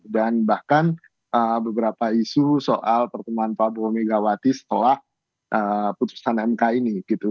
dan bahkan beberapa isu soal pertemuan pak prabowo migawati setelah putusan mk ini gitu